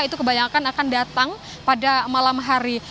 itu kebanyakan akan datang pada malam hari